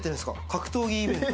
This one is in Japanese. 格闘技イベント。